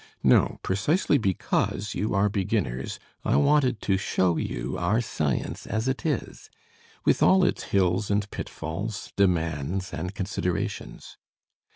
No, precisely because you are beginners, I wanted to show you our science as it is, with all its hills and pitfalls, demands and considerations.